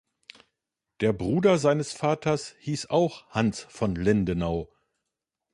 Der Bruder seines Vaters hieß auch Hans von Lindenau.